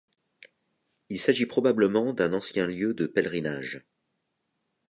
Il s'agit probablement d'un ancien lieu de pèlerinage.